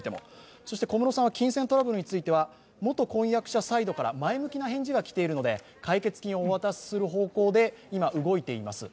そして小室さんは金銭トラブルについては、元婚約者サイドから前向きな返事が来ているので解決金をお渡しする方向で今、動いていますと。